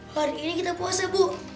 hari ini kita puasa bu